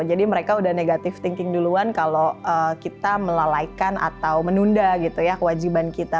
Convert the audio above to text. jadi mereka udah negative thinking duluan kalau kita melalaikan atau menunda gitu ya kewajiban kita